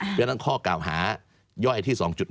เพราะฉะนั้นข้อกล่าวหาย่อยที่๒๗